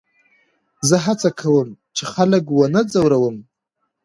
زه هڅه کوم، چي خلک و نه ځوروم.